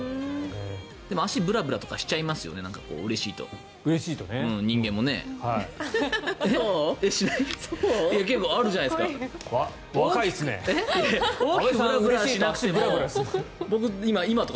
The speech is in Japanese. でも、足ブラブラとかしちゃいますよね、うれしいと。